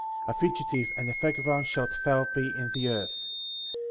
^ A fugitive and a vagabond shalt thou be in the earth.